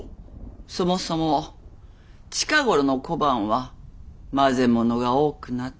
そもそも近頃の小判は混ぜ物が多くなった。